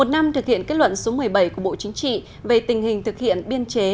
một năm thực hiện kết luận số một mươi bảy của bộ chính trị về tình hình thực hiện biên chế